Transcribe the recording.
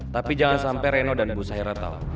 tapi jangan sampai reno dan bu saira tahu